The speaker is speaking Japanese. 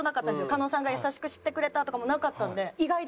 狩野さんが優しくしてくれたとかもなかったんで。